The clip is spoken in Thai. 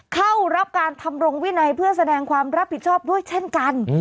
เข้ารับการทำรงวินัยเพื่อแสดงความรับผิดชอบด้วยเช่นกัน